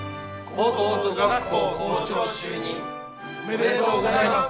高等女学校校長就任おめでとうございます。